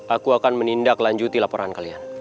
aku akan menindaklanjuti laporan kalian